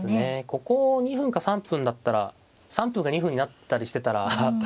ここ２分か３分だったら３分が２分になったりしてたらかなり焦りますけど。